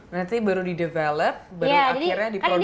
nanti baru di develop baru akhirnya diproduksi